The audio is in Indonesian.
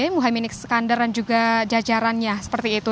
muhaymin iskandar dan juga jajarannya seperti itu